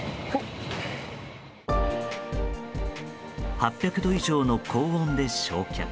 ８００度以上の高温で焼却。